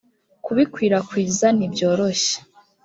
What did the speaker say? kubikwirakwiza ntibyoroshye.